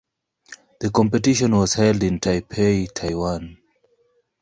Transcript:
The competition was held in Taipei, Taiwan.